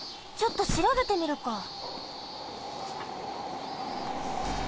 ちょっとしらべてみるか。